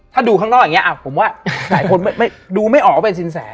ถ้าดูข้างนอกอย่างนี้ผมว่าหลายคนดูไม่ออกว่าเป็นสินแส